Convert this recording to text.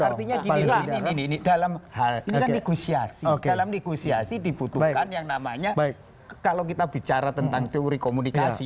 artinya gini dalam negosiasi dibutuhkan yang namanya kalau kita bicara tentang teori komunikasi